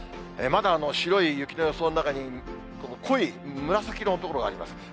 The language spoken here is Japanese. まだ白い雪の予想の中に、濃い紫色の所があります。